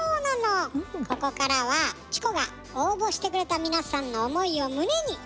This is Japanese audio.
ここからはチコが応募してくれた皆さんの思いを胸にしっかり紹介しますね。